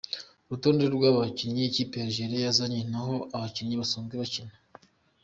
Urutonde rw’abakinnyi ikipe ya Algeria yazanye n’aho abakinnyi basanzwe bakina.